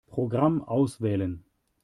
Programm auswählen.